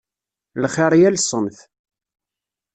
Lxir yal ṣṣenf.